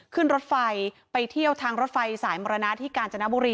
ขึ้นรถไฟไปเที่ยวทางรถไฟสายมรณะที่กาญจนบุรี